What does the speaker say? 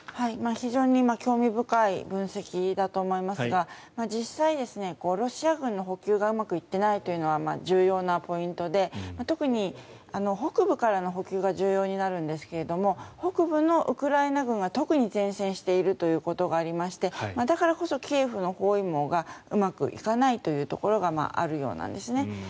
非常に興味深い分析だと思いますが実際、ロシア軍の補給がうまくいっていないというのは重要なポイントで特に北部からの補給が重要になるんですが北部のウクライナ軍は特に善戦しているということがありましてだからこそキエフの包囲網がうまくいかないというところがあるようなんですね。